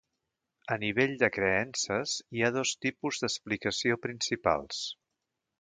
A nivell de creences, hi ha dos tipus d'explicació principals.